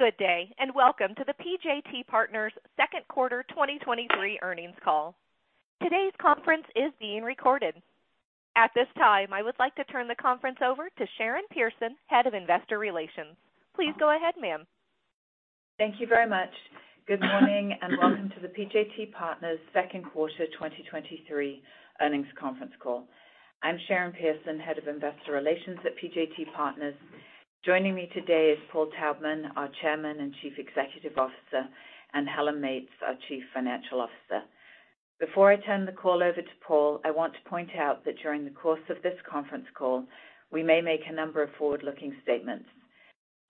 Good day, and welcome to the PJT Partners second quarter 2023 earnings call. Today's conference is being recorded. At this time, I would like to turn the conference over to Sharon Pearson, Head of Investor Relations. Please go ahead, ma'am. Thank you very much. Good morning, and welcome to the PJT Partners second quarter 2023 earnings conference call. I'm Sharon Pearson, Head of Investor Relations at PJT Partners. Joining me today is Paul Taubman, our Chairman and Chief Executive Officer, and Helen Meates, our Chief Financial Officer. Before I turn the call over to Paul, I want to point out that during the course of this conference call, we may make a number of forward-looking statements.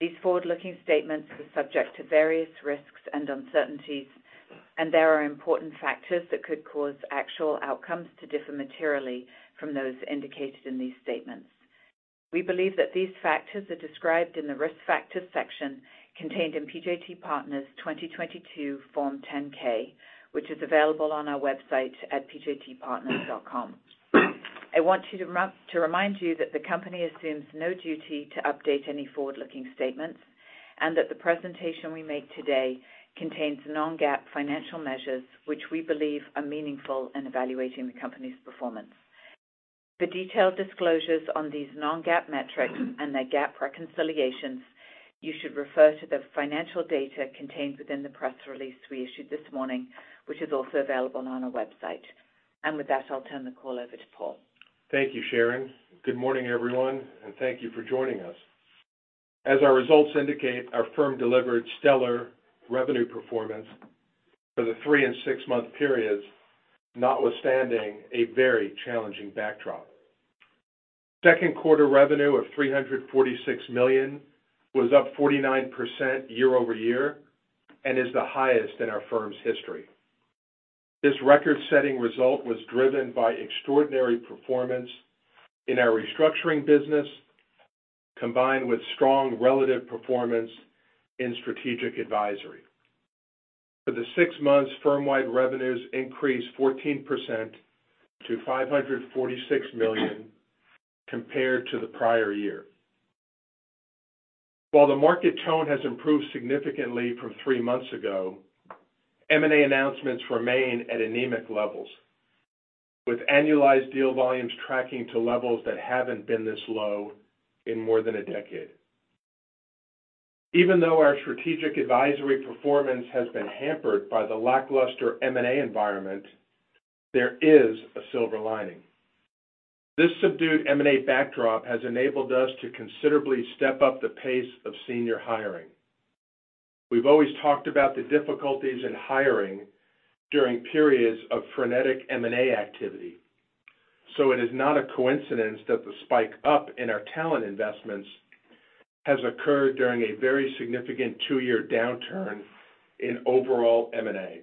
These forward-looking statements are subject to various risks and uncertainties, and there are important factors that could cause actual outcomes to differ materially from those indicated in these statements. We believe that these factors are described in the Risk Factors section contained in PJT Partners' 2022 Form 10-K, which is available on our website at pjtpartners.com. I want to remind you that the company assumes no duty to update any forward-looking statements and that the presentation we make today contains non-GAAP financial measures, which we believe are meaningful in evaluating the company's performance. For detailed disclosures on these non-GAAP metrics and their GAAP reconciliations, you should refer to the financial data contained within the press release we issued this morning, which is also available on our website. With that, I'll turn the call over to Paul. Thank you, Sharon. Good morning, everyone, and thank you for joining us. As our results indicate, our firm delivered stellar revenue performance for the three and six-month periods, notwithstanding a very challenging backdrop. Second quarter revenue of $346 million was up 49% year-over-year and is the highest in our firm's history. This record-setting result was driven by extraordinary performance in our Restructuring business, combined with strong relative performance in Strategic Advisory. For the six months, firm-wide revenues increased 14% to $546 million compared to the prior year. While the market tone has improved significantly from three months ago, M&A announcements remain at anemic levels, with annualized deal volumes tracking to levels that haven't been this low in more than a decade. Even though our Strategic Advisory performance has been hampered by the lackluster M&A environment, there is a silver lining. This subdued M&A backdrop has enabled us to considerably step up the pace of senior hiring. We've always talked about the difficulties in hiring during periods of frenetic M&A activity, so it is not a coincidence that the spike up in our talent investments has occurred during a very significant two-year downturn in overall M&A.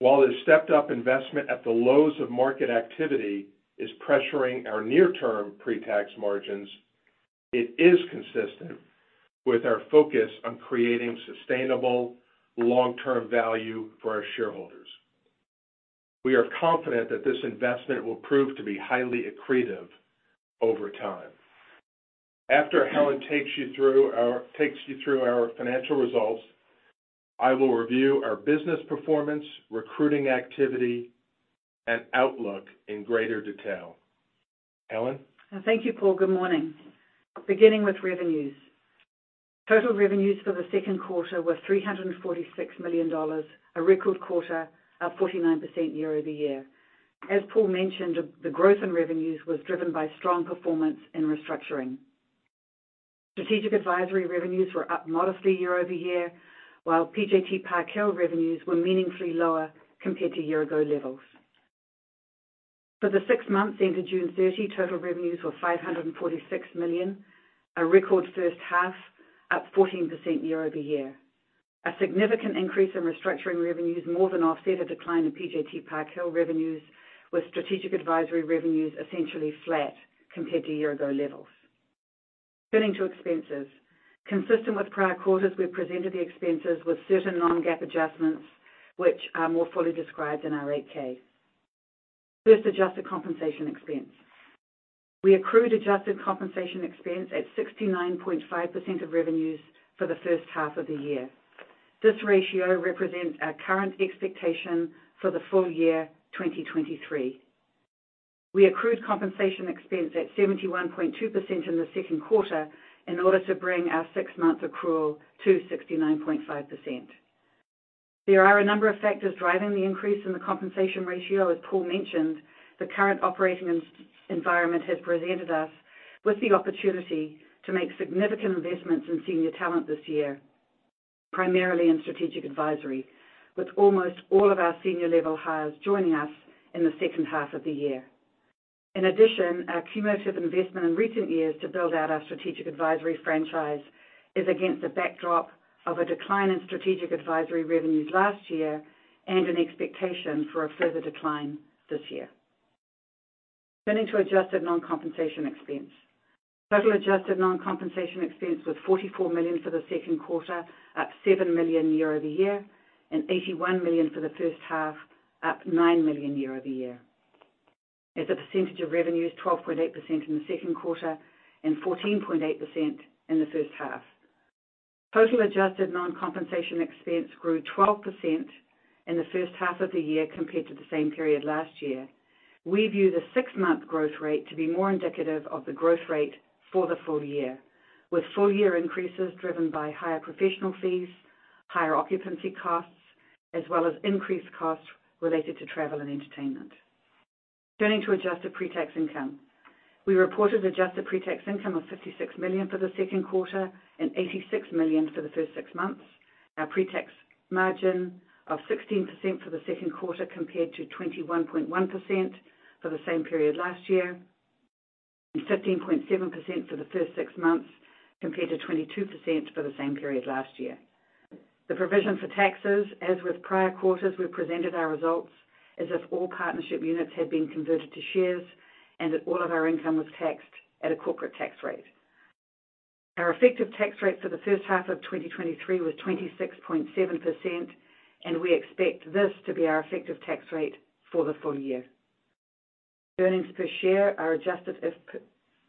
While this stepped up investment at the lows of market activity is pressuring our near-term pre-tax margins, it is consistent with our focus on creating sustainable long-term value for our shareholders. We are confident that this investment will prove to be highly accretive over time. After Helen takes you through our financial results, I will review our business performance, recruiting activity, and outlook in greater detail. Helen? Thank you, Paul. Good morning. Beginning with revenues. Total revenues for the second quarter were $346 million, a record quarter, up 49% year-over-year. As Paul mentioned, the growth in revenues was driven by strong performance in Restructuring. Strategic Advisory revenues were up modestly year-over-year, while PJT Park Hill revenues were meaningfully lower compared to year-ago levels. For the six months ended June 30, total revenues were $546 million, a record first half, up 14% year-over-year. A significant increase in Restructuring revenues more than offset a decline in PJT Park Hill revenues, with Strategic Advisory revenues essentially flat compared to year-ago levels. Turning to expenses. Consistent with prior quarters, we've presented the expenses with certain non-GAAP adjustments, which are more fully described in our 8-K. First, Adjusted Compensation Expense. We accrued Adjusted Compensation Expense at 69.5% of revenues for the first half of the year. This ratio represents our current expectation for the full year 2023. We accrued Compensation Expense at 71.2% in the second quarter in order to bring our six-month accrual to 69.5%. There are a number of factors driving the increase in the compensation ratio. As Paul mentioned, the current operating environment has presented us with the opportunity to make significant investments in senior talent this year, primarily in Strategic Advisory, with almost all of our senior-level hires joining us in the second half of the year. In addition, our cumulative investment in recent years to build out our Strategic Advisory franchise is against a backdrop of a decline in Strategic Advisory revenues last year and an expectation for a further decline this year. Turning to Adjusted Non-Compensation Expense. Total Adjusted Non-Compensation Expense was $44 million for the second quarter, up $7 million year-over-year, and $81 million for the first half, up $9 million year-over-year. As a percentage of revenues, 12.8% in the second quarter and 14.8% in the first half. Total Adjusted Non-Compensation expense grew 12% in the first half of the year compared to the same period last year. We view the six-month growth rate to be more indicative of the growth rate for the full year, with full-year increases driven by higher professional fees, higher occupancy costs, as well as increased costs related to travel and entertainment. Turning to Adjusted Pretax Income. We reported Adjusted Pretax Income of $56 million for the second quarter and $86 million for the first six months. Our Pretax margin of 16% for the second quarter, compared to 21.1% for the same period last year, and 15.7% for the first six months, compared to 22% for the same period last year. The provision for taxes, as with prior quarters, we presented our results as if all partnership units had been converted to shares and that all of our income was taxed at a corporate tax rate. Our effective tax rate for the first half of 2023 was 26.7%. We expect this to be our effective tax rate for the full year. Earnings per share are adjusted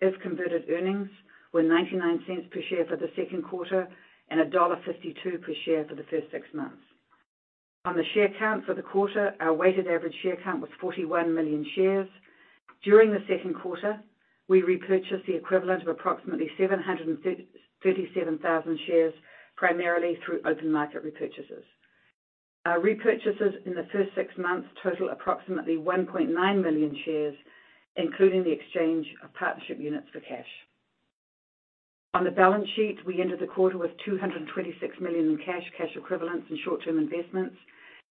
if converted earnings were $0.99 per share for the second quarter and $1.52 per share for the first six months. On the share count for the quarter, our weighted average share count was 41 million shares. During the second quarter, we repurchased the equivalent of approximately 737,000 shares, primarily through open market repurchases. Our repurchases in the first six months total approximately 1.9 million shares, including the exchange of partnership units for cash. On the balance sheet, we ended the quarter with $226 million in cash equivalents, and short-term investments,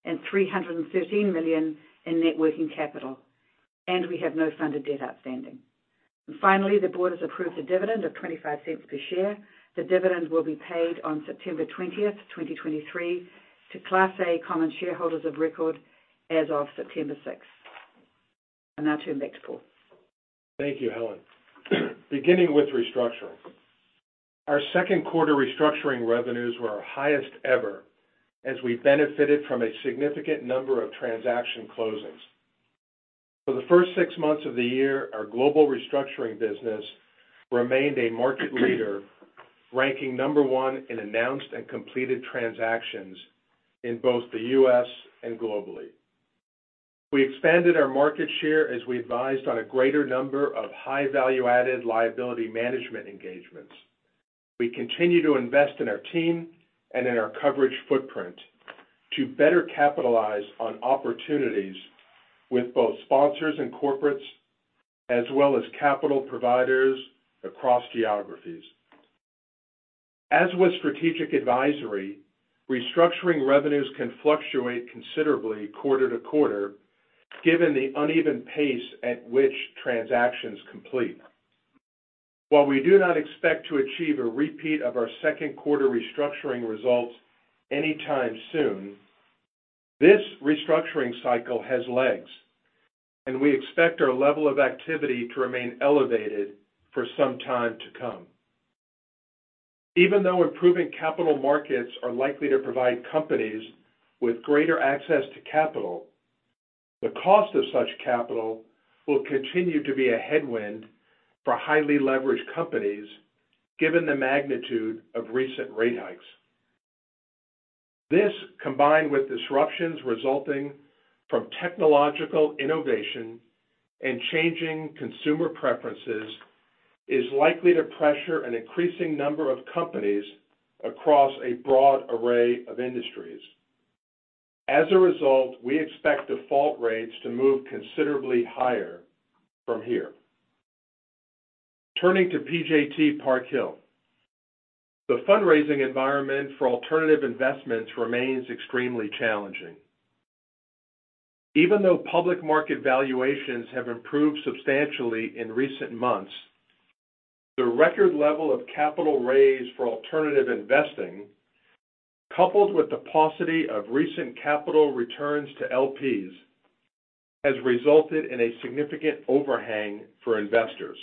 and $313 million in net working capital, and we have no funded debt outstanding. Finally, the board has approved a dividend of $0.25 per share. The dividend will be paid on September 20th, 2023, to Class A common shareholders of record as of September 6th. I'll now turn back to Paul. Thank you, Helen. Beginning with Restructuring. Our second quarter Restructuring revenues were our highest ever as we benefited from a significant number of transaction closings. For the first six months of the year, our global Restructuring business remained a market leader, ranking number one in announced and completed transactions in both the U.S. and globally. We expanded our market share as we advised on a greater number of high value-added liability management engagements. We continue to invest in our team and in our coverage footprint to better capitalize on opportunities with both sponsors and corporates, as well as capital providers across geographies. As with Strategic Advisory, Restructuring revenues can fluctuate considerably quarter-to-quarter, given the uneven pace at which transactions complete. While we do not expect to achieve a repeat of our second quarter Restructuring results anytime soon, this Restructuring cycle has legs, and we expect our level of activity to remain elevated for some time to come. Even though improving capital markets are likely to provide companies with greater access to capital, the cost of such capital will continue to be a headwind for highly leveraged companies, given the magnitude of recent rate hikes. This, combined with disruptions resulting from technological innovation and changing consumer preferences, is likely to pressure an increasing number of companies across a broad array of industries. As a result, we expect default rates to move considerably higher from here. Turning to PJT Park Hill. The fundraising environment for alternative investments remains extremely challenging. Even though public market valuations have improved substantially in recent months, the record level of capital raised for alternative investing, coupled with the paucity of recent capital returns to LPs, has resulted in a significant overhang for investors.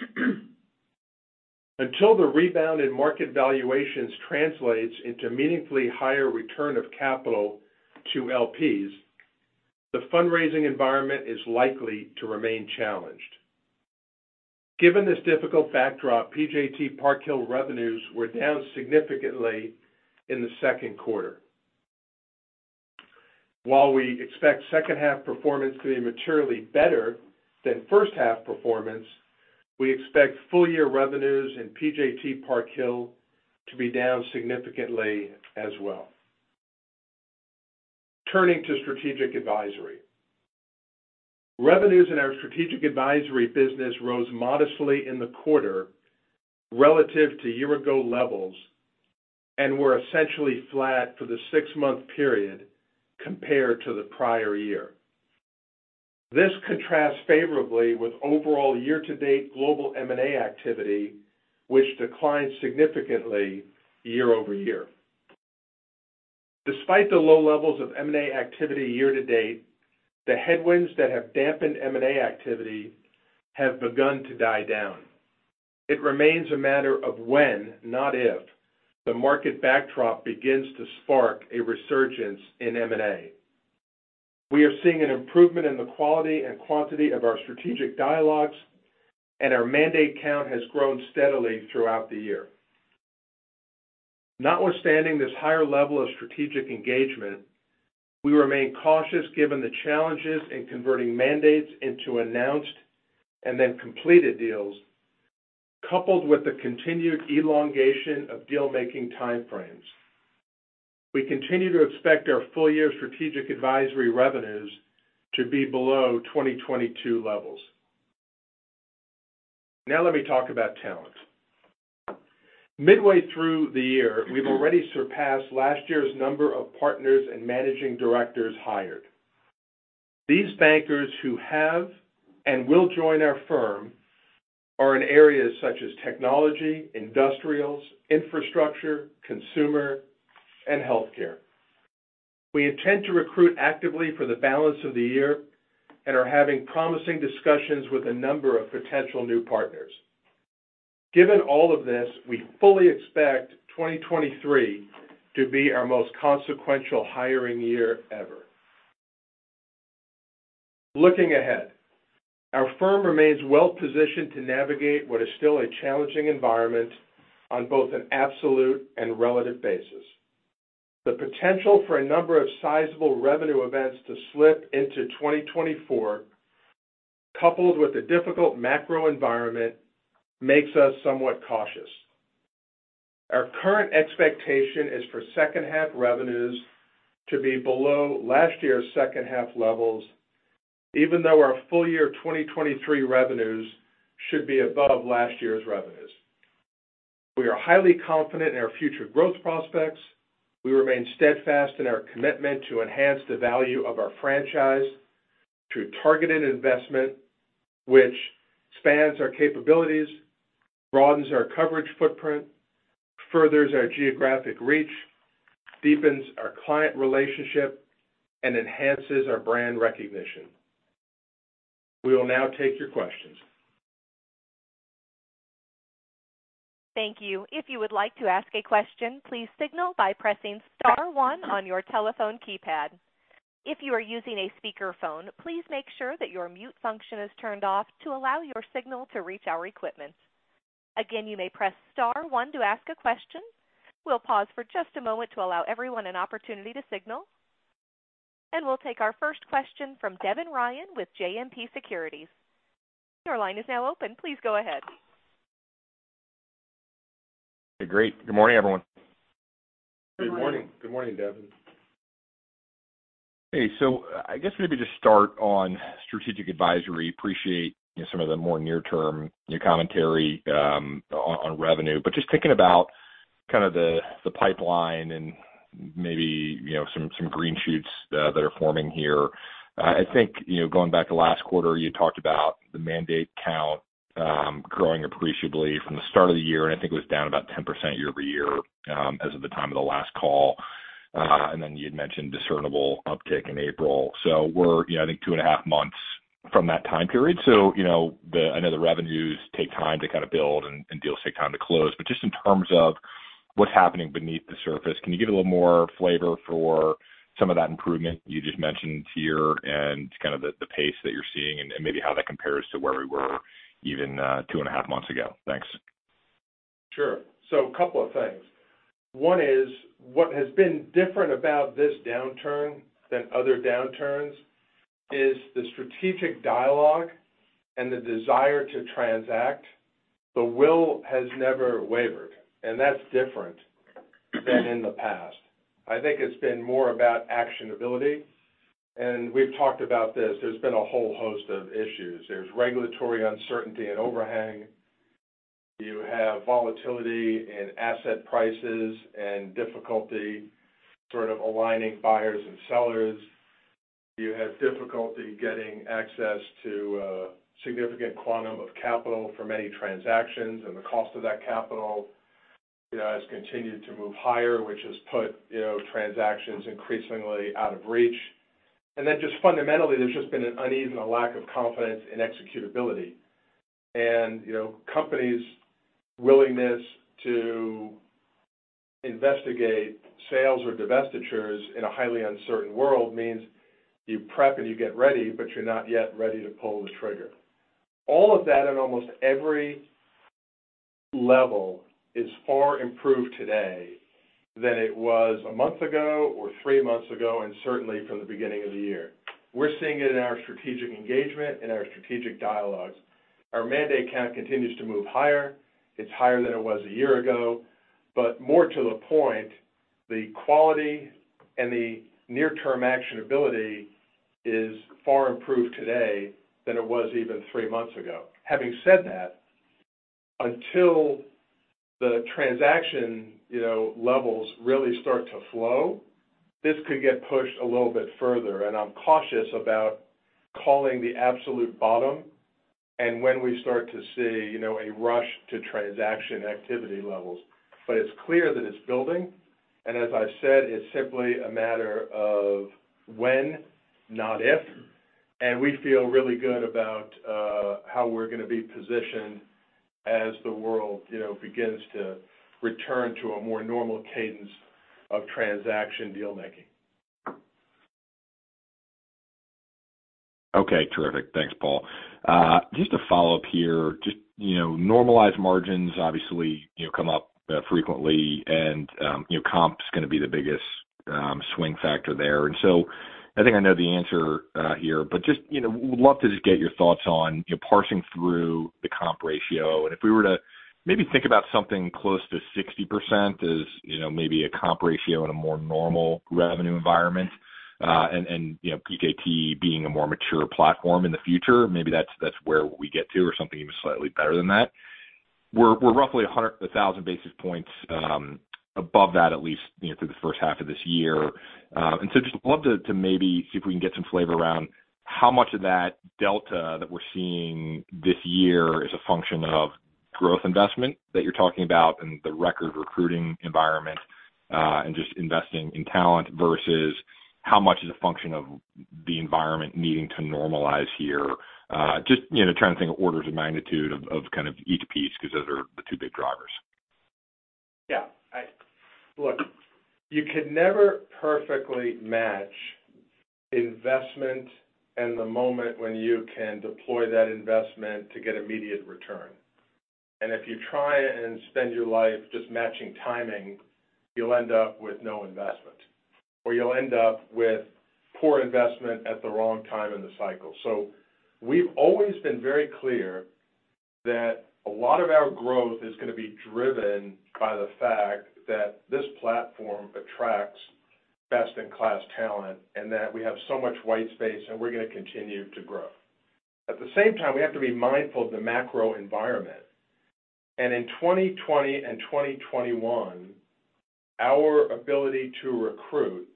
Until the rebound in market valuations translates into meaningfully higher return of capital to LPs, the fundraising environment is likely to remain challenged. Given this difficult backdrop, PJT Park Hill revenues were down significantly in the second quarter. While we expect second half performance to be materially better than first half performance, we expect full-year revenues in PJT Park Hill to be down significantly as well. Turning to Strategic Advisory. Revenues in our Strategic Advisory business rose modestly in the quarter relative to year-ago levels and were essentially flat for the six-month period compared to the prior year. This contrasts favorably with overall year-to-date global M&A activity, which declined significantly year-over-year. Despite the low levels of M&A activity year-to-date, the headwinds that have dampened M&A activity have begun to die down. It remains a matter of when, not if, the market backdrop begins to spark a resurgence in M&A. Our mandate count has grown steadily throughout the year. Notwithstanding this higher level of strategic engagement, we remain cautious given the challenges in converting mandates into announced and then completed deals, coupled with the continued elongation of deal-making time frames. We continue to expect our full-year Strategic Advisory revenues to be below 2022 levels. Let me talk about talent. Midway through the year, we've already surpassed last year's number of partners and managing directors hired. These bankers who have and will join our firm are in areas such as technology, industrials, infrastructure, consumer, and healthcare. We intend to recruit actively for the balance of the year and are having promising discussions with a number of potential new partners. Given all of this, we fully expect 2023 to be our most consequential hiring year ever. Looking ahead, our firm remains well positioned to navigate what is still a challenging environment on both an absolute and relative basis. The potential for a number of sizable revenue events to slip into 2024, coupled with a difficult macro environment, makes us somewhat cautious. Our current expectation is for second-half revenues to be below last year's second-half levels, even though our full-year 2023 revenues should be above last year's revenues. We are highly confident in our future growth prospects. We remain steadfast in our commitment to enhance the value of our franchise through targeted investment, which spans our capabilities, broadens our coverage footprint, furthers our geographic reach, deepens our client relationship, and enhances our brand recognition. We will now take your questions. Thank you. If you would like to ask a question, please signal by pressing star one on your telephone keypad. If you are using a speakerphone, please make sure that your mute function is turned off to allow your signal to reach our equipment. Again, you may press star one to ask a question. We'll pause for just a moment to allow everyone an opportunity to signal, and we'll take our first question from Devin Ryan with JMP Securities. Your line is now open. Please go ahead. Great. Good morning, everyone. Good morning. Good morning, Devin. Hey, I guess maybe just start on Strategic Advisory. Appreciate some of the more near-term, your commentary on revenue, but just thinking about kind of the pipeline and maybe, you know, some green shoots that are forming here. I think, you know, going back to last quarter, you talked about the mandate count growing appreciably from the start of the year, and I think it was down about 10% year-over-year as of the time of the last call. Then you had mentioned discernible uptick in April. We're, you know, I think 2.5 months from that time period. You know, I know the revenues take time to kind of build and deals take time to close. Just in terms of what's happening beneath the surface, can you give a little more flavor for some of that improvement you just mentioned here and kind of the pace that you're seeing and maybe how that compares to where we were even two and a half months ago? Thanks. Sure. A couple of things. One is, what has been different about this downturn than other downturns is the strategic dialogue and the desire to transact. The will has never wavered, and that's different than in the past. I think it's been more about actionability, and we've talked about this. There's been a whole host of issues. There's regulatory uncertainty and overhang. You have volatility in asset prices and difficulty sort of aligning buyers and sellers. You have difficulty getting access to significant quantum of capital for many transactions, and the cost of that capital, you know, has continued to move higher, which has put, you know, transactions increasingly out of reach. Just fundamentally, there's just been an unease and a lack of confidence in executability. You know, companies' willingness to investigate sales or divestitures in a highly uncertain world means you prep and you get ready, but you're not yet ready to pull the trigger. All of that, at almost every level, is far improved today than it was a month ago or three months ago, and certainly from the beginning of the year. We're seeing it in our strategic engagement and our strategic dialogues. Our mandate count continues to move higher. It's higher than it was a year ago, but more to the point, the quality and the near-term actionability is far improved today than it was even three months ago. Having said that, until the transaction, you know, levels really start to flow, this could get pushed a little bit further, and I'm cautious about calling the absolute bottom and when we start to see you know, a rush to transaction activity levels. It's clear that it's building, and as I've said, it's simply a matter of when, not if. We feel really good about how we're going to be positioned as the world, you know, begins to return to a more normal cadence of transaction deal-making. Okay, terrific. Thanks, Paul. just to follow up here, just, you know, normalized margins, obviously, you know, come up, frequently, and, you know, comp's gonna be the biggest, swing factor there. I think I know the answer, here, but just, you know, would love to just get your thoughts on your parsing through the comp ratio. If we were to maybe think about something close to 60% is, you know, maybe a comp ratio in a more normal revenue environment, and, you know, PJT being a more mature platform in the future, maybe that's where we get to or something even slightly better than that. We're roughly 1,000 basis points, above that, at least, you know, through the first half of this year. Just love to maybe see if we can get some flavor around how much of that delta that we're seeing this year is a function of growth investment that you're talking about and the record recruiting environment, and just investing in talent, versus how much is a function of the environment needing to normalize here? Just, you know, trying to think of orders of magnitude of kind of each piece, because those are the two big drivers. Look, you can never perfectly match investment and the moment when you can deploy that investment to get immediate return. If you try and spend your life just matching timing, you'll end up with no investment, or you'll end up with poor investment at the wrong time in the cycle. We've always been very clear that a lot of our growth is going to be driven by the fact that this platform attracts best-in-class talent, and that we have so much white space, and we're going to continue to grow. At the same time, we have to be mindful of the macro environment. In 2020 and 2021, our ability to recruit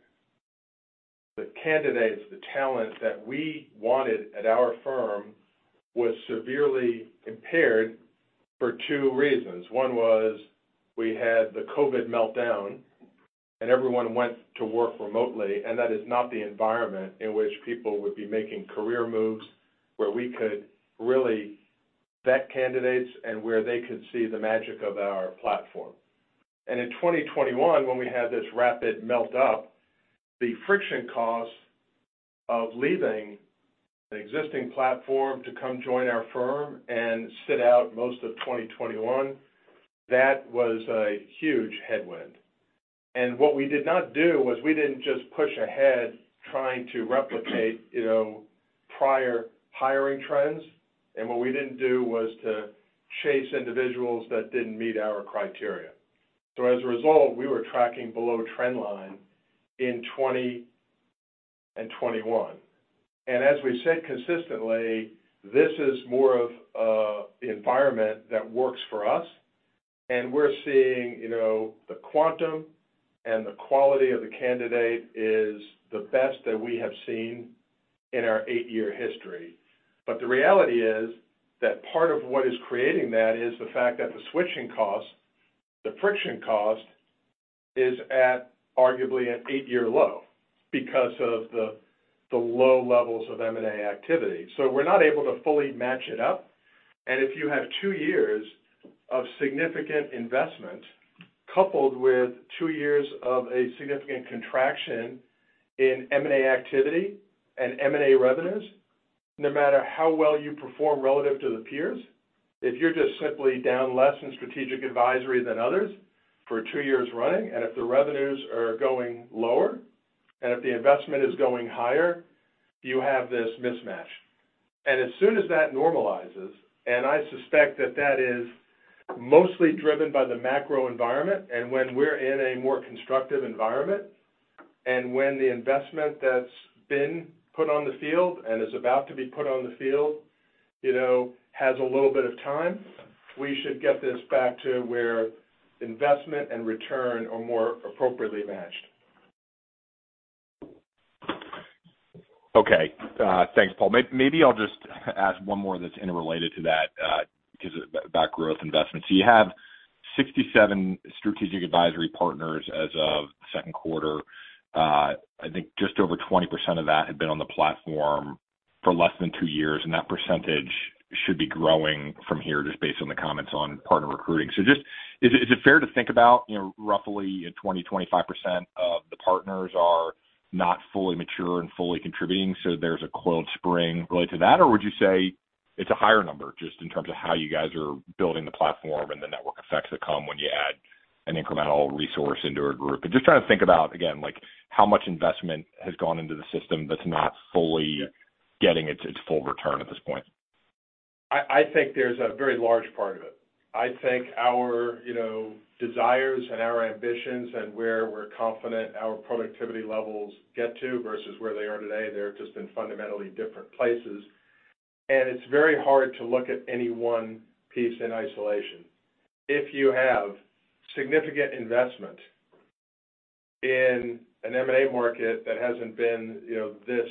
the candidates, the talent that we wanted at our firm, was severely impaired for two reasons. One was we had the COVID meltdown, everyone went to work remotely, that is not the environment in which people would be making career moves, where we could really vet candidates and where they could see the magic of our platform. In 2021, when we had this rapid melt up, the friction cost of leaving an existing platform to come join our firm and sit out most of 2021, that was a huge headwind. What we did not do was we didn't just push ahead, trying to replicate, you know, prior hiring trends. What we didn't do was to chase individuals that didn't meet our criteria. As a result, we were tracking below trend line in 2020 and 2021. As we've said consistently, this is more of an environment that works for us, and we're seeing, you know, the quantum and the quality of the candidate is the best that we have seen in our eight-year history. The reality is that part of what is creating that is the fact that the switching cost, the friction cost, is at arguably an eight-year low because of the low levels of M&A activity. We're not able to fully match it up. If you have two years of significant investment, coupled with two years of a significant contraction in M&A activity and M&A revenues, no matter how well you perform relative to the peers, if you're just simply down less in Strategic Advisory than others for two years running, and if the revenues are going lower and if the investment is going higher, you have this mismatch. As soon as that normalizes, and I suspect that that is mostly driven by the macro environment, and when we're in a more constructive environment, and when the investment that's been put on the field, and is about to be put on the field, you know, has a little bit of time, we should get this back to where investment and return are more appropriately matched. Okay. Thanks, Paul. Maybe I'll just ask one more that's interrelated to that, because of about growth investment. You have 67 Strategic Advisory partners as of second quarter. I think just over 20% of that had been on the platform for less than two years, and that percentage should be growing from here, just based on the comments on partner recruiting. Is it fair to think about, you know, roughly 20%-25% of the partners are not fully mature and fully contributing, so there's a coiled spring related to that? Would you say it's a higher number, just in terms of how you guys are building the platform and the network effects that come when you add an incremental resource into a group? I'm just trying to think about, again, like, how much investment has gone into the system that's not fully getting its full return at this point. I think there's a very large part of it. I think our, you know, desires and our ambitions and where we're confident our productivity levels get to versus where they are today, they're just in fundamentally different places. It's very hard to look at any one piece in isolation. If you have significant investment in an M&A market that hasn't been, you know, this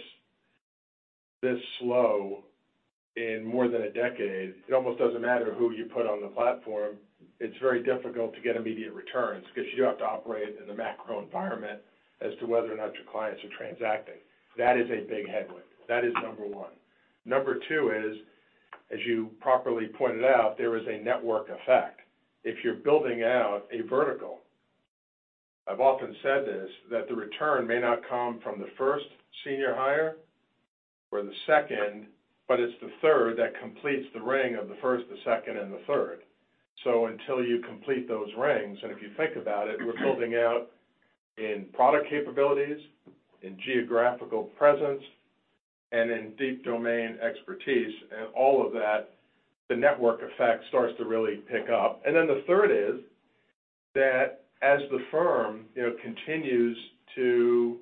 in more than a decade, it almost doesn't matter who you put on the platform. It's very difficult to get immediate returns because you have to operate in the macro environment as to whether or not your clients are transacting. That is a big headwind. That is number one. Number two is, as you properly pointed out, there is a network effect. If you're building out a vertical, I've often said this, that the return may not come from the first senior hire or the second, but it's the third that completes the ring of the first, the second, and the third. Until you complete those rings, and if you think about it, we're building out in product capabilities, in geographical presence, and in deep domain expertise, and all of that, the network effect starts to really pick up. The third is that as the firm, you know, continues to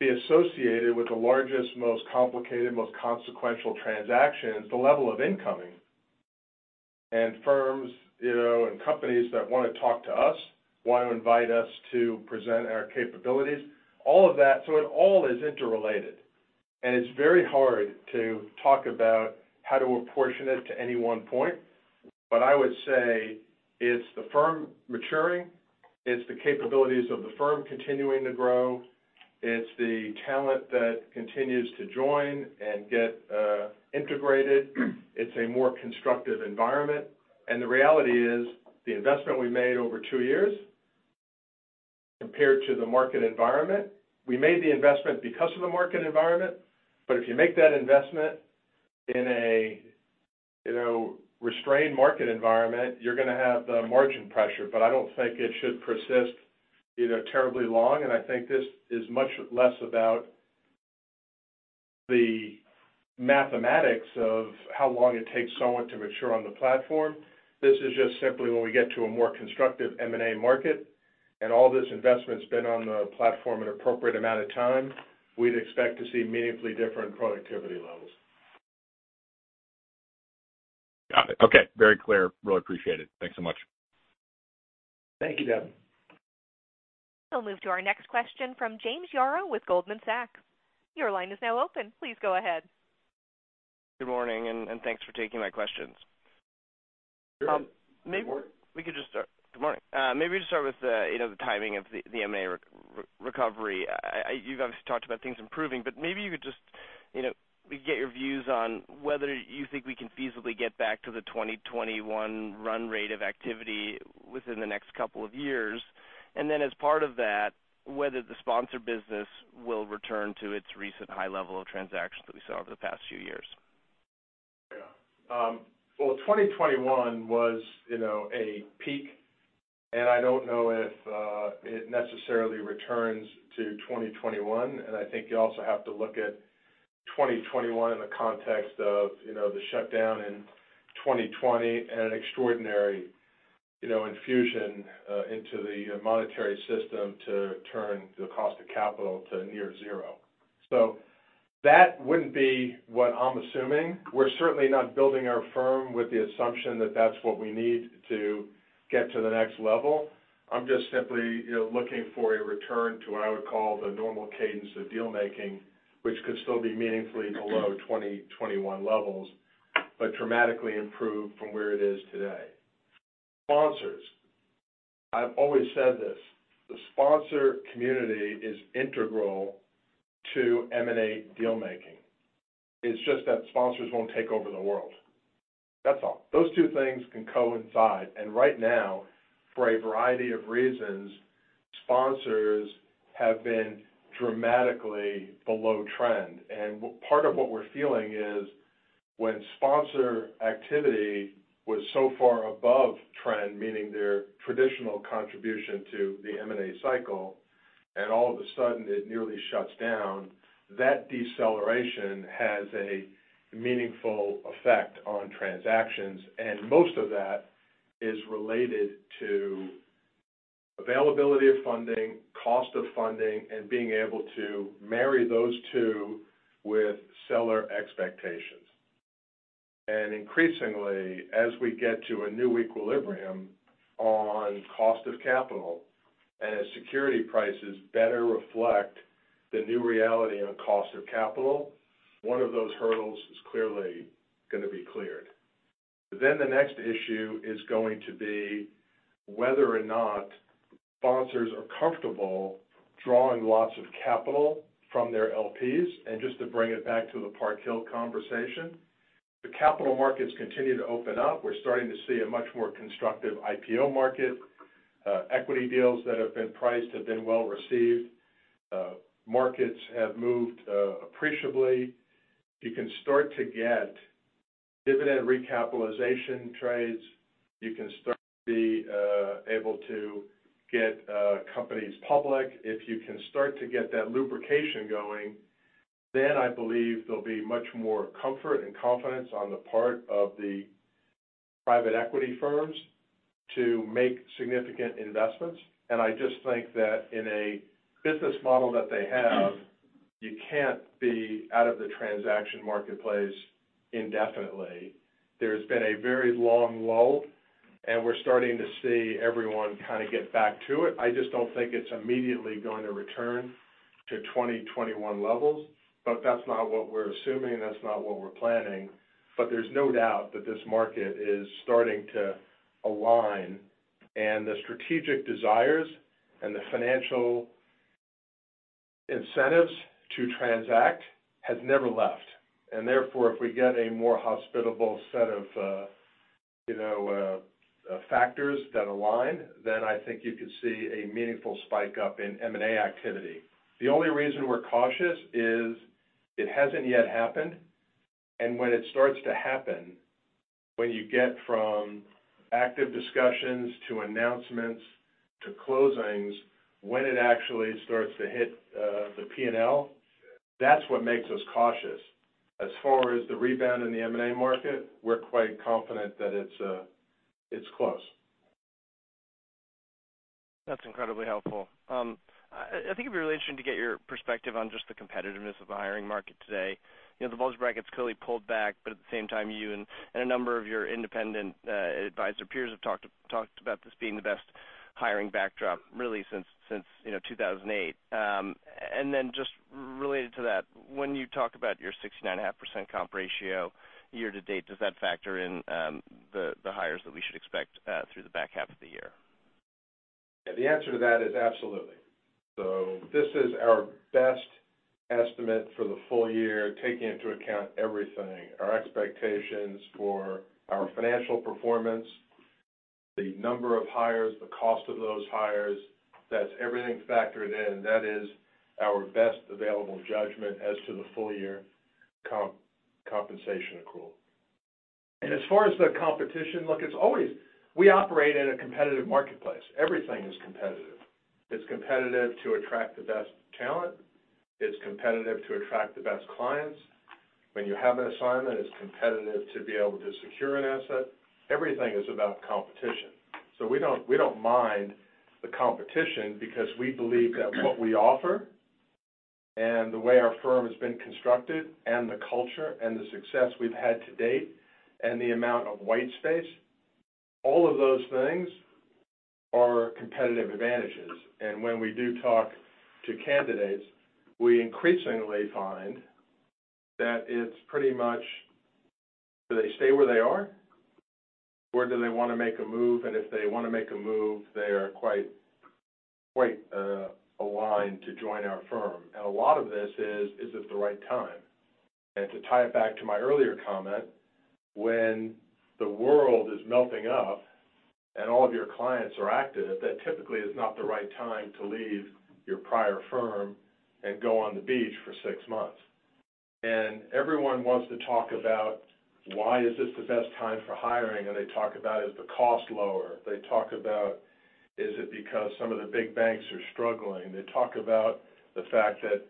be associated with the largest, most complicated, most consequential transactions, the level of incoming and firms, you know, and companies that want to talk to us, want to invite us to present our capabilities, all of that. It all is interrelated, and it's very hard to talk about how to apportion it to any one point. I would say it's the firm maturing, it's the capabilities of the firm continuing to grow. It's the talent that continues to join and get integrated. It's a more constructive environment. The reality is the investment we made over two years compared to the market environment, we made the investment because of the market environment. If you make that investment in a, you know, restrained market environment, you're going to have the margin pressure. I don't think it should persist, you know, terribly long. I think this is much less about the mathematics of how long it takes someone to mature on the platform. This is just simply when we get to a more constructive M&A market and all this investment's been on the platform an appropriate amount of time, we'd expect to see meaningfully different productivity levels. Got it. Okay. Very clear. Really appreciate it. Thanks so much. Thank you, Devin. We'll move to our next question from James Yaro with Goldman Sachs. Your line is now open. Please go ahead. Good morning, and thanks for taking my questions. Sure. Good morning. Good morning. Maybe just start with the, you know, the timing of the M&A recovery. You've obviously talked about things improving, but maybe you could just, you know, get your views on whether you think we can feasibly get back to the 2021 run rate of activity within the next couple of years. As part of that, whether the sponsor business will return to its recent high level of transactions that we saw over the past few years. Yeah. Well, 2021 was, you know, a peak, and I don't know if it necessarily returns to 2021. I think you also have to look at 2021 in the context of, you know, the shutdown in 2020 and an extraordinary, you know, infusion into the monetary system to turn the cost of capital to near zero. That wouldn't be what I'm assuming. We're certainly not building our firm with the assumption that that's what we need to get to the next level. I'm just simply, you know, looking for a return to what I would call the normal cadence of deal making, which could still be meaningfully below 2021 levels, but dramatically improved from where it is today. Sponsors, I've always said this, the sponsor community is integral to M&A deal making. It's just that sponsors won't take over the world. That's all. Those two things can coincide. Right now, for a variety of reasons, sponsors have been dramatically below trend. Part of what we're feeling is when sponsor activity was so far above trend, meaning their traditional contribution to the M&A cycle, and all of a sudden it nearly shuts down, that deceleration has a meaningful effect on transactions, and most of that is related to availability of funding, cost of funding, and being able to marry those two with seller expectations. Increasingly, as we get to a new equilibrium on cost of capital and as security prices better reflect the new reality on cost of capital, one of those hurdles is clearly going to be cleared. The next issue is going to be whether or not sponsors are comfortable drawing lots of capital from their LPs. Just to bring it back to the Park Hill conversation, the capital markets continue to open up. We're starting to see a much more constructive IPO market. Equity deals that have been priced have been well received. Markets have moved appreciably. You can start to get dividend recapitalization trades. You can start to be able to get companies public. If you can start to get that lubrication going, then I believe there'll be much more comfort and confidence on the part of the private equity firms to make significant investments. I just think that in a business model that they have, you can't be out of the transaction marketplace indefinitely. There's been a very long lull, and we're starting to see everyone kind of get back to it. I just don't think it's immediately going to return to 2021 levels, but that's not what we're assuming. That's not what we're planning. But there's no doubt that this market is starting to align and the strategic desires and the financial incentives to transact has never left. And therefore, if we get a more hospitable set of factors that align then I think you could see a meaningful spike up in M&A activity. The only reason we're cautious is it hasn't yet happened. And when it starts to happen, when you get from active discussions to announcements to closings, when it actually starts to hit the P&L, that's what makes us cautious as far as the rebound in the M&A market, we're quite confident that it's close. That's incredibly helpful. I think it'd be really interesting to get your perspective on just the competitiveness of the hiring market today. You know, the bulge bracket's clearly pulled back, but at the same time, you and a number of your independent advisor peers have talked about this being the best hiring backdrop, really, since, you know, 2008. Just related to that, when you talk about your 69.5% comp ratio year to date, does that factor in the hires that we should expect through the back half of the year? The answer to that is absolutely. This is our best estimate for the full year, taking into account everything, our expectations for our financial performance, the number of hires, the cost of those hires. That's everything factored in. That is our best available judgment as to the full year compensation accrual. As far as the competition, look, it's always. We operate in a competitive marketplace. Everything is competitive. It's competitive to attract the best talent. It's competitive to attract the best clients. When you have an assignment, it's competitive to be able to secure an asset. Everything is about competition. We don't mind the competition because we believe that what we offer and the way our firm has been constructed and the culture and the success we've had to date and the amount of white space, all of those things are competitive advantages. When we do talk to candidates, we increasingly find that it's pretty much, do they stay where they are, or do they want to make a move? If they want to make a move, they are quite aligned to join our firm. A lot of this is: Is this the right time? To tie it back to my earlier comment, when the world is melting up and all of your clients are active, that typically is not the right time to leave your prior firm and go on the beach for six months. Everyone wants to talk about why is this the best time for hiring, and they talk about, is the cost lower? They talk about, is it because some of the big banks are struggling? They talk about the fact that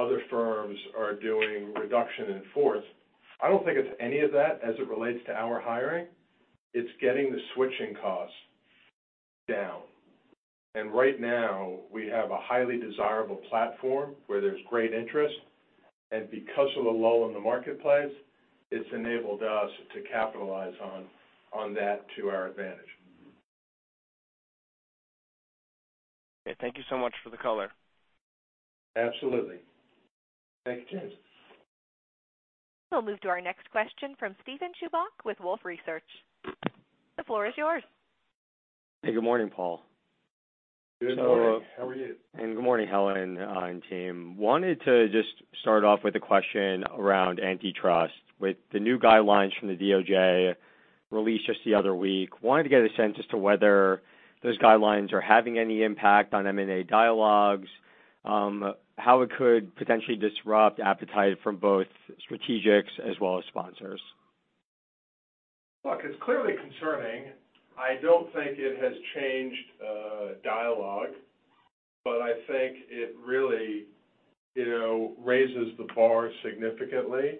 other firms are doing reduction in force. I don't think it's any of that as it relates to our hiring. It's getting the switching costs down. Right now, we have a highly desirable platform where there's great interest, and because of the lull in the marketplace, it's enabled us to capitalize on that to our advantage. Thank you so much for the color. Absolutely. Thank you. We'll move to our next question from Steven Chubak with Wolfe Research. The floor is yours. Hey, good morning, Paul. Good morning. How are you? Good morning, Helen and team. Wanted to just start off with a question around antitrust. With the new guidelines from the DOJ released just the other week, wanted to get a sense as to whether those guidelines are having any impact on M&A dialogues, how it could potentially disrupt appetite from both strategics as well as sponsors? Look, it's clearly concerning. I don't think it has changed dialogue, but I think it really, you know, raises the bar significantly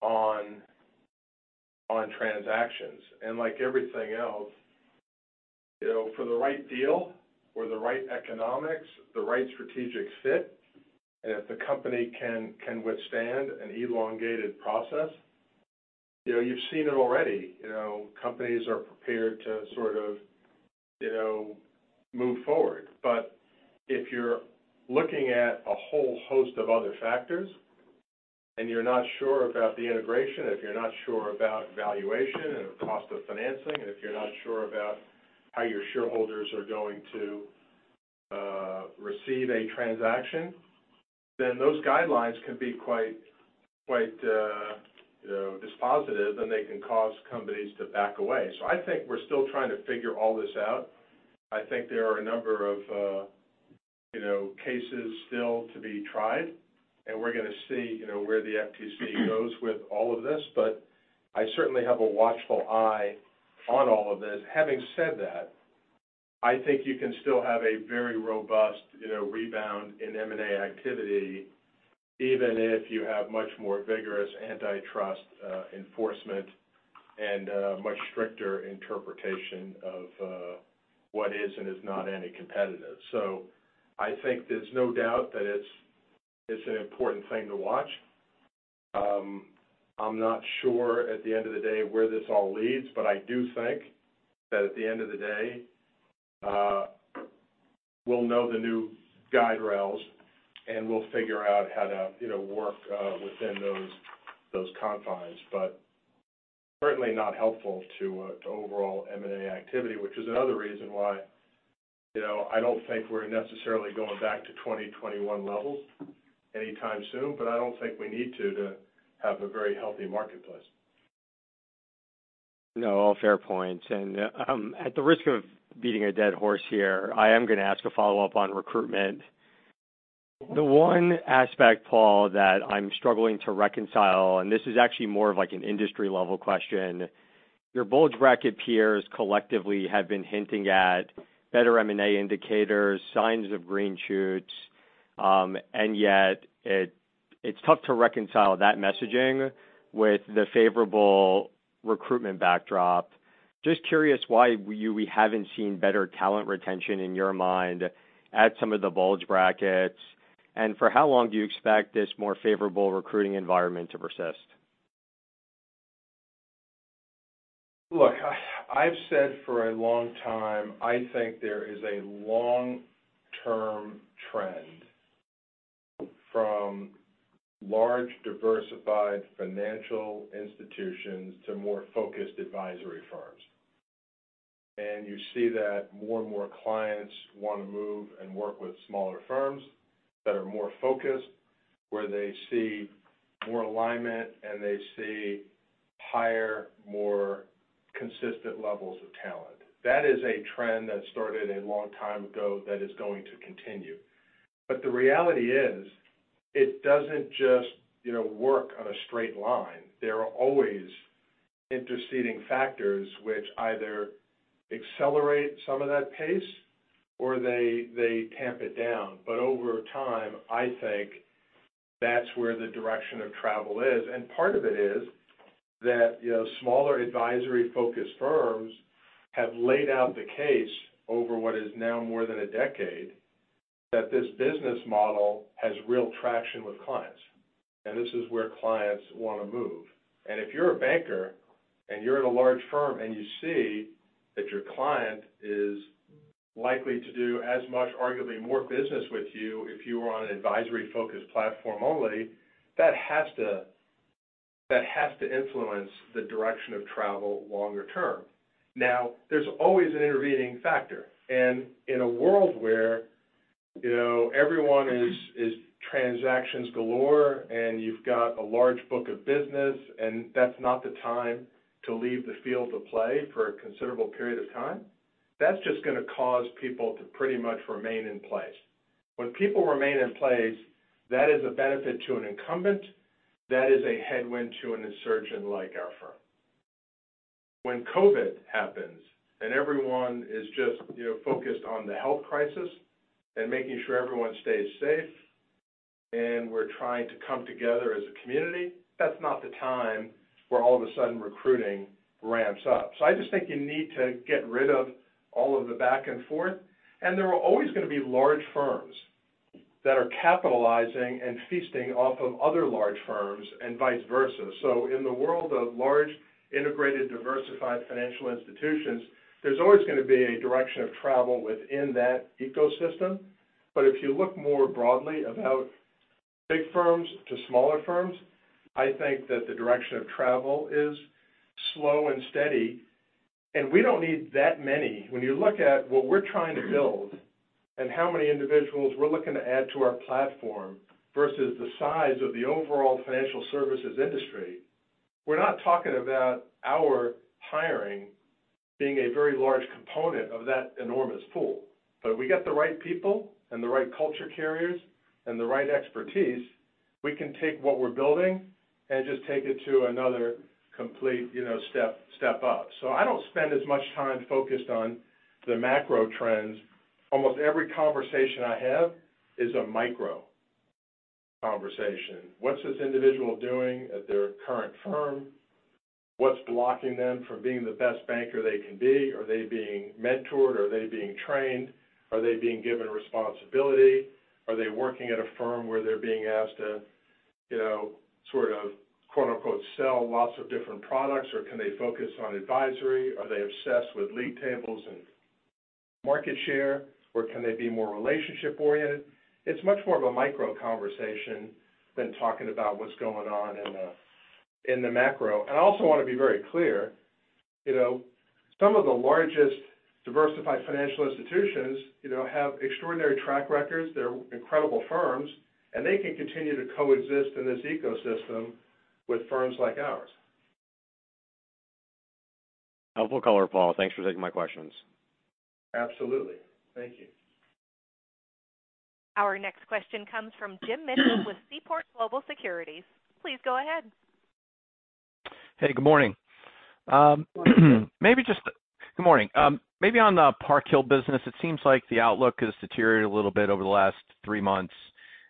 on transactions. Like everything else, you know, for the right deal or the right economics, the right strategic fit, and if the company can withstand an elongated process, you know, you've seen it already. You know, companies are prepared to sort of, you know, move forward. If you're looking at a whole host of other factors and you're not sure about the integration, if you're not sure about valuation and cost of financing, and if you're not sure about how your shareholders are going to receive a transaction, then those guidelines can be quite, you know, dispositive, and they can cause companies to back away. I think we're still trying to figure all this out. I think there are a number of, you know, cases still to be tried, and we're going to see, you know, where the FTC goes with all of this. I certainly have a watchful eye on all of this. Having said that, I think you can still have a very robust, you know, rebound in M&A activity, even if you have much more vigorous antitrust enforcement and much stricter interpretation of what is and is not anti-competitive. I think there's no doubt that it's an important thing to watch. I'm not sure at the end of the day where this all leads, but I do think that at the end of the day, we'll know the new guide rails, and we'll figure out how to, you know, work within those confines. Certainly not helpful to overall M&A activity, which is another reason why, you know, I don't think we're necessarily going back to 2021 levels anytime soon, but I don't think we need to have a very healthy marketplace. No, all fair points. At the risk of beating a dead horse here, I am going to ask a follow-up on recruitment. The one aspect, Paul, that I'm struggling to reconcile, and this is actually more of like an industry-level question. Your bulge bracket peers collectively have been hinting at better M&A indicators, signs of green shoots, and yet it's tough to reconcile that messaging with the favorable recruitment backdrop. Just curious why we haven't seen better talent retention in your mind at some of the bulge brackets, and for how long do you expect this more favorable recruiting environment to persist? Look, I've said for a long time, I think there is a long-term trend from large, diversified financial institutions to more focused advisory firms. You see that more and more clients want to move and work with smaller firms that are more focused, where they see more alignment and they see higher, more consistent levels of talent. That is a trend that started a long time ago that is going to continue. The reality is, it doesn't just, you know, work on a straight line. There are always interceding factors which either accelerate some of that pace or they tamp it down. Over time, I think that's where the direction of travel is. Part of it is that, you know, smaller advisory-focused firms have laid out the case over what is now more than a decade, that this business model has real traction with clients, and this is where clients want to move. If you're a banker and you're at a large firm, and you see that your client is likely to do as much, arguably more business with you if you were on an advisory-focused platform only, that has to influence the direction of travel longer term. There's always an intervening factor, and in a world where, you know, everyone is transactions galore, and you've got a large book of business, and that's not the time to leave the field of play for a considerable period of time, that's just going to cause people to pretty much remain in place. When people remain in place, that is a benefit to an incumbent, that is a headwind to an insurgent like our firm. When COVID happens and everyone is just, you know, focused on the health crisis and making sure everyone stays safe, and we're trying to come together as a community, that's not the time where all of a sudden recruiting ramps up. I just think you need to get rid of all of the back and forth. There are always going to be large firms that are capitalizing and feasting off of other large firms and vice versa. In the world of large, integrated, diversified financial institutions, there's always going to be a direction of travel within that ecosystem. If you look more broadly about big firms to smaller firms, I think that the direction of travel is slow and steady, and we don't need that many. When you look at what we're trying to build and how many individuals we're looking to add to our platform versus the size of the overall financial services industry, we're not talking about our hiring being a very large component of that enormous pool. If we get the right people and the right culture carriers and the right expertise, we can take what we're building and just take it to another complete, you know, step up. I don't spend as much time focused on the macro trends. Almost every conversation I have is a micro conversation. What's this individual doing at their current firm? What's blocking them from being the best banker they can be? Are they being mentored? Are they being trained? Are they being given responsibility? Are they working at a firm where they're being asked to, you know, sort of, quote, unquote, "sell lots of different products," or can they focus on advisory? Are they obsessed with league tables and market share, or can they be more relationship-oriented? It's much more of a micro conversation than talking about what's going on in the, in the macro. I also want to be very clear, you know, some of the largest diversified financial institutions, you know, have extraordinary track records. They're incredible firms, and they can continue to coexist in this ecosystem with firms like ours. Helpful color, Paul. Thanks for taking my questions. Absolutely. Thank you. Our next question comes from Jim Mitchell with Seaport Global Securities. Please go ahead. Hey, good morning. Good morning. Maybe on the Park Hill business, it seems like the outlook has deteriorated a little bit over the last three months,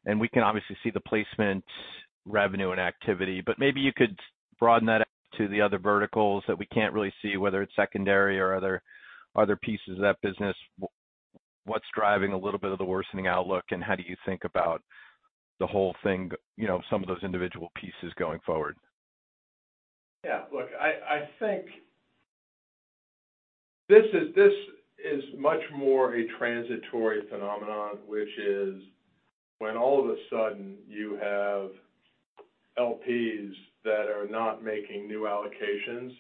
and we can obviously see the placement, revenue, and activity. Maybe you could broaden that out to the other verticals that we can't really see, whether it's secondary or other pieces of that business. What's driving a little bit of the worsening outlook, and how do you think about the whole thing, you know, some of those individual pieces going forward? Yeah, look, I think this is much more a transitory phenomenon, which is when all of a sudden you have LPs that are not making new allocations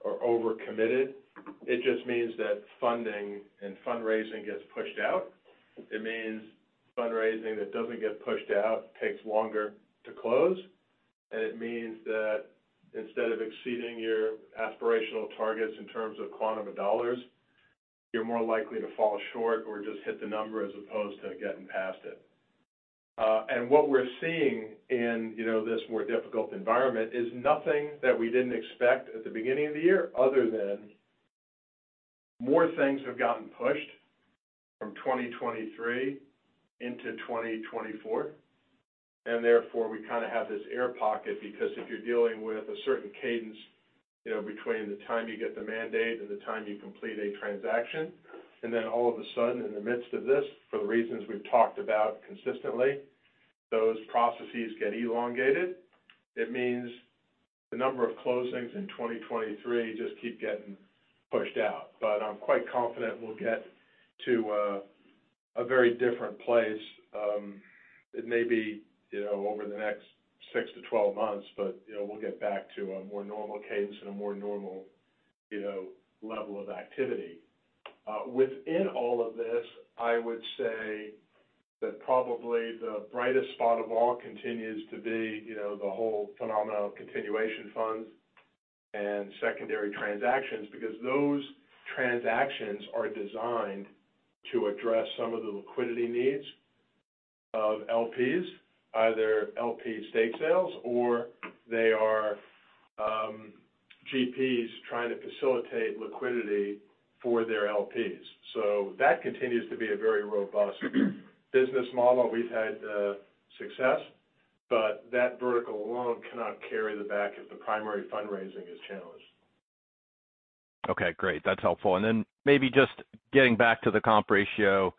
or overcommitted, it just means that funding and fundraising gets pushed out. It means fundraising that doesn't get pushed out takes longer to close, and it means that instead of exceeding your aspirational targets in terms of quantum of dollars, you're more likely to fall short or just hit the number as opposed to getting past it. What we're seeing in, you know, this more difficult environment is nothing that we didn't expect at the beginning of the year, other than more things have gotten pushed from 2023 into 2024, and therefore, we kinda have this air pocket, because if you're dealing with a certain cadence, you know, between the time you get the mandate and the time you complete a transaction, and then all of a sudden, in the midst of this, for the reasons we've talked about consistently, those processes get elongated. It means the number of closings in 2023 just keep getting pushed out. I'm quite confident we'll get to a very different place. It may be, you know, over the next 6-12 months, but, you know, we'll get back to a more normal cadence and a more normal, you know, level of activity. Within all of this, I would say that probably the brightest spot of all continues to be, you know, the whole phenomenon of continuation funds and secondary transactions, because those transactions are designed to address some of the liquidity needs of LPs, either LP stake sales, or they are GPs trying to facilitate liquidity for their LPs. That continues to be a very robust business model. We've had success, but that vertical alone cannot carry the back if the primary fundraising is challenged. Okay, great. That's helpful. Then maybe just getting back to the comp ratio,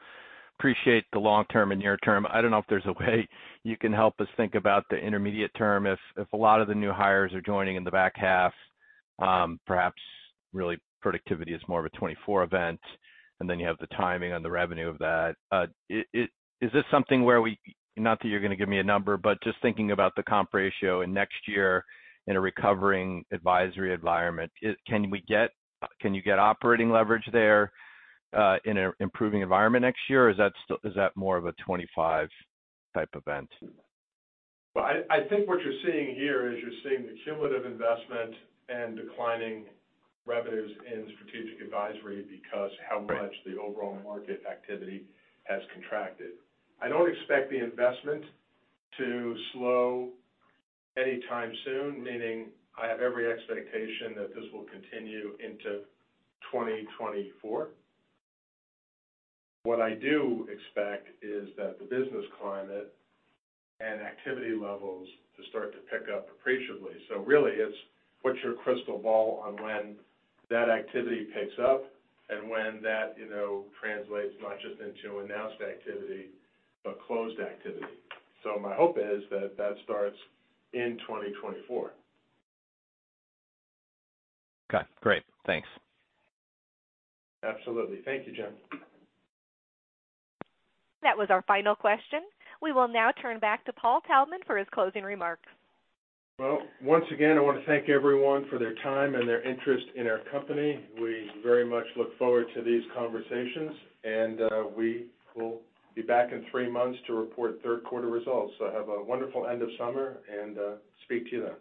appreciate the long term and near term. I don't know if there's a way you can help us think about the intermediate term. If a lot of the new hires are joining in the back half, perhaps really productivity is more of a 2024 event, then you have the timing on the revenue of that. Is this something where we, not that you're going to give me a number, but just thinking about the comp ratio and next year in a recovering advisory environment, can we get can you get operating leverage there in an improving environment next year, or is that more of a 2025 type event? Well, I think what you're seeing here is you're seeing the cumulative investment and declining revenues in Strategic Advisory because. Right. The overall market activity has contracted. I don't expect the investment to slow anytime soon, meaning I have every expectation that this will continue into 2024. What I do expect is that the business climate and activity levels to start to pick up appreciably. Really, it's what's your crystal ball on when that activity picks up and when that, you know, translates not just into announced activity, but closed activity. My hope is that that starts in 2024. Okay, great. Thanks. Absolutely. Thank you, Jim. That was our final question. We will now turn back to Paul Taubman for his closing remarks. Well, once again, I want to thank everyone for their time and their interest in our company. We very much look forward to these conversations, and we will be back in three months to report third quarter results. Have a wonderful end of summer, and speak to you then.